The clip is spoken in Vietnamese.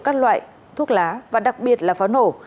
các loại thuốc lá và đặc biệt là pháo nổ